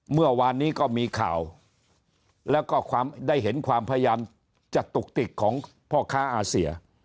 เมื่อวานนี้ก็มีข่าวแล้วก็ความได้เห็นความพยายามจะตุกติกของพ่อค้าอาเซีย